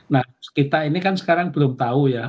nah kita ini kan sekarang belum tahu ya